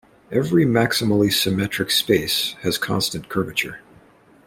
Every maximally symmetric space has constant curvature.